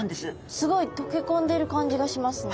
すごい溶け込んでる感じがしますね。